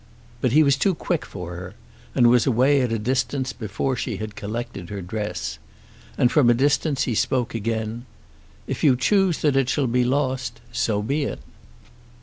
But he was too quick for her, and was away at a distance before she had collected her dress. And from a distance he spoke again, "If you choose that it shall be lost, so be it."